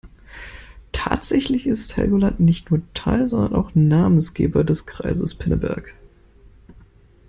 Tatsächlich ist Helgoland nicht nur Teil, sondern auch Namensgeber des Kreises Pinneberg.